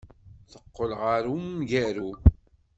Teqqel ɣer umgaru.